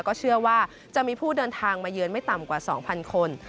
ก็เชื่อว่าจะมีผู้เดินทางมาเยือนไม่ต่ำกว่า๒๐๐คน